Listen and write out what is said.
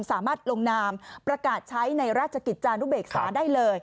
สามารถลงนามประกาศใช้ในราชกิจจานุเบกษาได้เลย